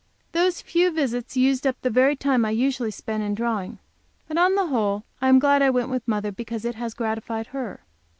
Those few visits used up the very time I usually spend in drawing. But on the whole I am glad I went with mother, because it has gratified her.